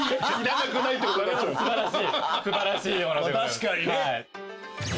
確かにね。